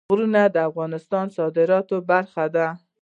غرونه د افغانستان د صادراتو برخه ده.